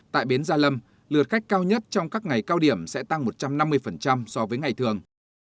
tại bến gia lâm lượt khách cao nhất trong các ngày cao điểm sẽ tăng một trăm năm mươi so với ngày thường